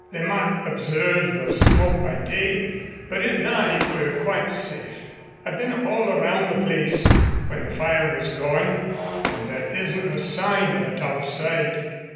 They might observe the smoke by day, but at night we're quite safe. I've been all around the place when the fire was goin' and there isn't a sign of it outside."